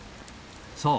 そう。